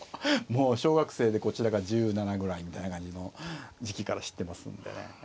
もう小学生でこちらが１７ぐらいみたいな感じの時期から知ってますんでね。